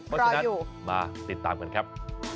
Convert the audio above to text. เพราะฉะนั้นมาติดตามกันครับ